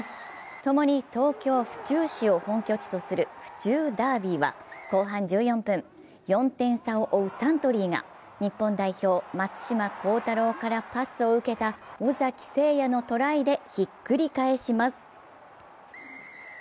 ともに東京・府中市を本拠地とする府中ダービーは後半１４分、４点差を追うサントリーが日本代表、松島幸太朗からパスを受けた尾崎晟也のトライでひっくり返します。